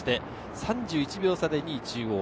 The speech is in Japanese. ３１秒差で２位・中央。